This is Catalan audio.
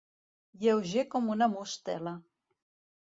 Lleuger com una mostela.